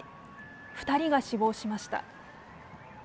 ２人が死亡しました。